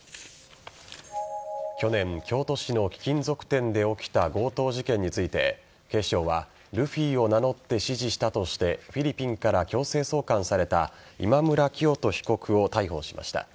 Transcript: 去年京都市の貴金属店で起きた強盗事件について警視庁はルフィを名乗って指示したとしてフィリピンから強制送還された今村磨人被告を逮捕しました。